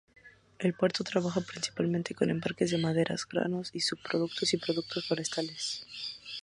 El puerto trabaja principalmente con embarques de maderas, granos y subproductos y productos forestales.